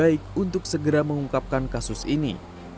dan lebih baik untuk segera mengungkapkan kasus ini